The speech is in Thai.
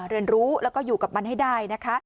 เรียนรู้แล้วก็อยู่กับมันให้ได้นะคะ